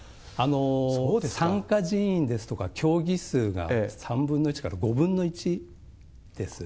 参加人員ですとか、競技数が３分の１から５分の１です。